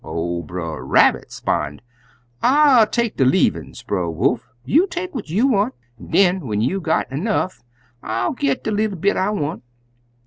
Ol' Brer Rabbit 'spon', 'I'll take de leavin's, Brer Wolf; you take what you want, an' den when you done got 'nough I'll get de leetle bit I want.'